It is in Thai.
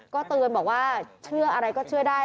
ก็เตือนบอกว่าเชื่ออะไรก็เชื่อได้